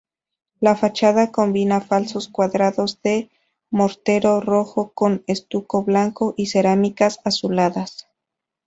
La fachada combina falsos cuadrados de mortero rojo con estuco blanco y cerámicas azuladas.